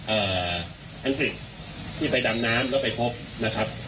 ่อังกฤษที่ไปดำน้ำแล้วไปพบนะครับ